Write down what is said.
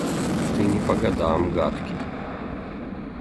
Ты не по годам гадкий!